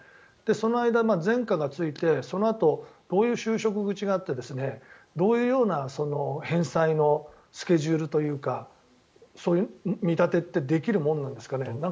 その間、前科がついてそのあとどういう就職口があってどういうような返済のスケジュールというか見立てってできるものなんですかね？